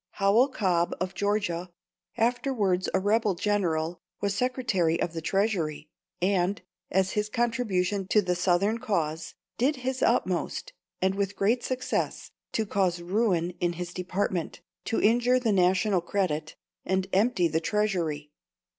Howell Cobb of Georgia, afterwards a rebel general, was Secretary of the Treasury, and, as his contribution to the Southern cause, did his utmost, and with great success, to cause ruin in his department, to injure the national credit, and empty the treasury.